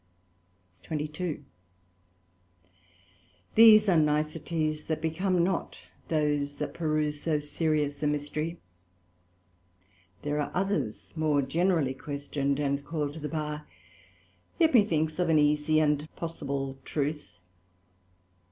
SECT.22 These are niceties that become not those that peruse so serious a Mystery: There are others more generally questioned and called to the Bar, yet methinks of an easie and possible truth.